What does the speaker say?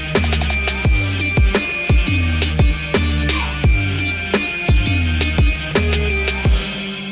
โปรดติดตามตอนต่อไป